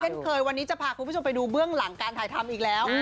เช่นเคยวันนี้จะพาคุณผู้ชมไปดูเบื้องหลังการถ่ายทำอีกแล้ว